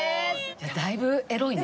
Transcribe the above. だいぶエロいね。